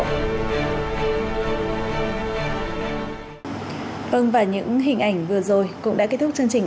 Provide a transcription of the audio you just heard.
vâng và những hình ảnh vừa rồi cũng đã kết thúc chương trình